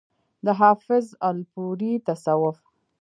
د حافظ الپورئ تصوف